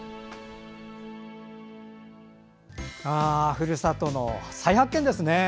ふるさとの再発見ですね。